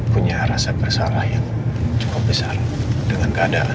punya rasa bersalah yang cukup besar dengan keadaan